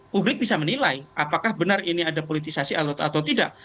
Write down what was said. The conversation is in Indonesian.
publik bisa menilai apakah benar ini ada politisasi atau tidak